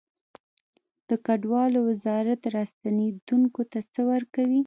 د کډوالو وزارت راستنیدونکو ته څه ورکوي؟